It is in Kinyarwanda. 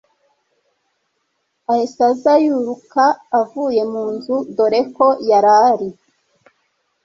ahise aza yuruka avuye munzu doreko yarari